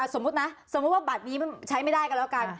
สมมุตินะสมมุติว่าบัตรนี้มันใช้ไม่ได้กันแล้วกัน